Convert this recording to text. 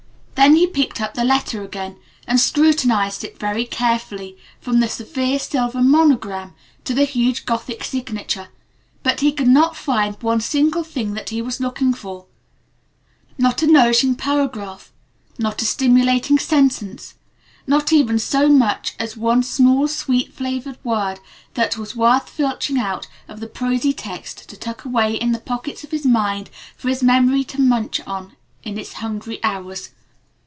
Then he picked up the letter again and scrutinized it very carefully from the severe silver monogram to the huge gothic signature, but he could not find one single thing that he was looking for; not a nourishing paragraph; not a stimulating sentence; not even so much as one small sweet flavored word that was worth filching out of the prosy text to tuck away in the pockets of his mind for his memory to munch on in its hungry hours.